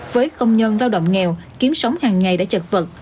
với công nhân lao động nghèo kiếm sống hàng ngày đã chật vật